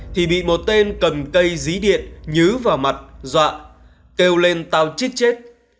thì bị một tên cầm cây dí điện nhứ vào mặt dọa kêu lên tao chết chết